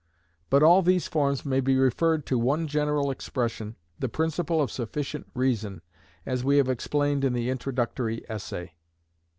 But all these forms may be referred to one general expression, the principle of sufficient reason, as we have explained in the introductory essay.